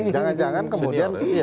jangan jangan kemudian iya